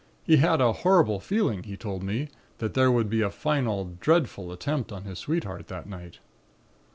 He had a horrible feeling he told me, that there would be a final, dreadful attempt on his sweetheart that night.